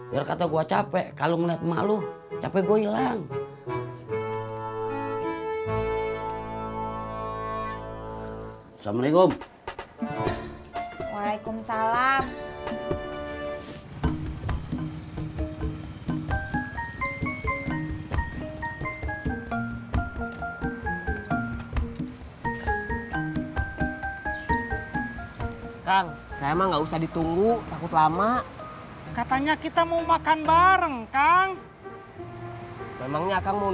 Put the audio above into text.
biar kata gua capek kalo ngeliat emak lu capek gua ilang